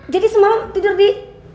jadi semalam tidur di